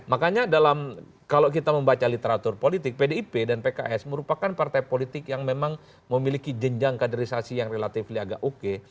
makanya dalam kalau kita membaca literatur politik pdip dan pks merupakan partai politik yang memang memiliki jenjang kaderisasi yang relatif agak oke